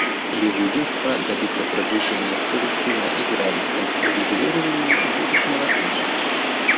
Без единства добиться продвижения в палестино-израильском урегулировании будет невозможно.